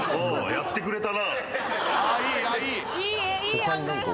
やってくれたな。